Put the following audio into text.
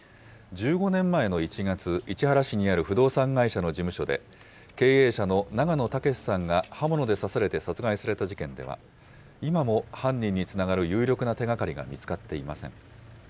１５年前の１月、市原市にある不動産会社の事務所で、経営者の永野武さんが刃物で刺されて殺害された事件では、今も犯人につながる有力な手がかりが見つかっていません。